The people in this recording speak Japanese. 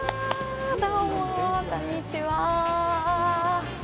どうも、こんにちは。